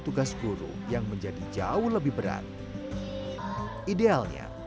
terus berubah menjadi seorang guru